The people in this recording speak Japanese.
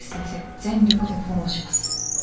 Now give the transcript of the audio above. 全力でフォローします。